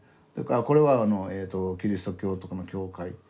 それからこれはキリスト教とかの「教会」。